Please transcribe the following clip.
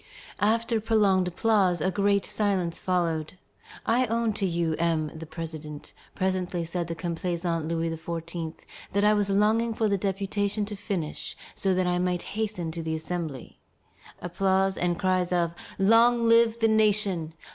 After prolonged applause a great silence followed. "I own to you, M. the President," presently said the complaisant Louis XVI., "that I was longing for the deputation to finish, so that I might hasten to the Assembly." Applause and cries of "Long live the nation!